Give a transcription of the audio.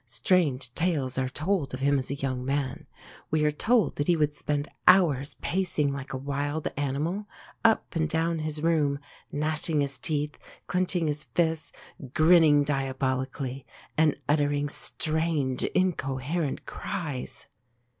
Strange tales are told of him as a young man. We are told that he would spend hours pacing like a wild animal up and down his room, gnashing his teeth, clenching his fists, grinning diabolically, and uttering strange incoherent cries.